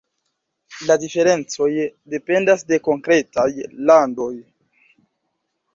La diferencoj dependas de konkretaj landoj.